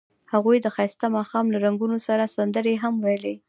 هغوی د ښایسته ماښام له رنګونو سره سندرې هم ویلې.